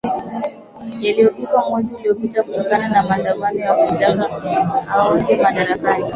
yaliozuka mwezi uliopita kutokana na maandamano ya kumtaka ang oke madarakani